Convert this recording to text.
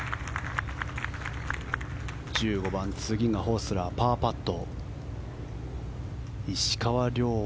１５番、次がホスラーパーパット。